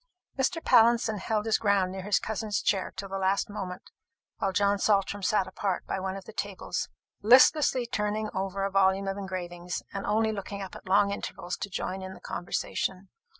Mr. Pallinson held his ground near his cousin's chair till the last moment, while John Saltram sat apart by one of the tables, listlessly turning over a volume of engravings, and only looking up at long intervals to join in the conversation.